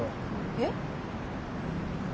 えっ？